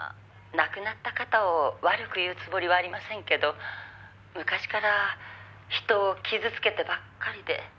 「亡くなった方を悪く言うつもりはありませんけど昔から人を傷つけてばっかりで」